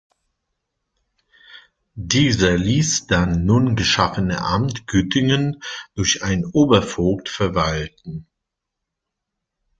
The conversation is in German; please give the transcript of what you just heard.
Dieser liess das nun geschaffene Amt Güttingen durch einen Obervogt verwalten.